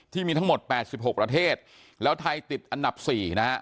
ที่มีทั้งหมด๘๖ประเทศแล้วไทยติดอันดับ๔นะฮะ